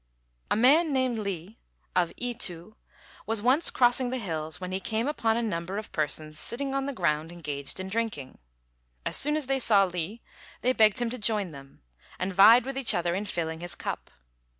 A man named Li, of I tu, was once crossing the hills when he came upon a number of persons sitting on the ground engaged in drinking. As soon as they saw Li they begged him to join them, and vied with each other in filling his cup.